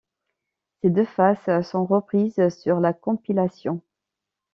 Ses deux faces sont reprises sur la compilation '.